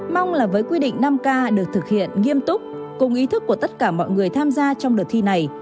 mong là với quy định năm k được thực hiện nghiêm túc cùng ý thức của tất cả mọi người tham gia trong đợt thi này